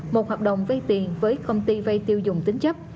một hợp đồng vây tiền với công ty vây tiêu dùng tính chấp